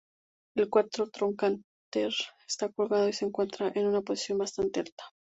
El cuarto trocánter está colgando y se encuentra en una posición bastante alta.